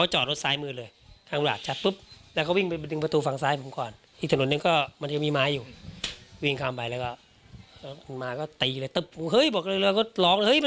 หยิบแป๊บออกมาเลย